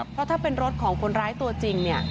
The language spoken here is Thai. เพราะถ้าเป็นรถของคนร้ายตัวจริงเนี่ย